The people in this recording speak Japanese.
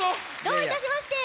どういたしまして。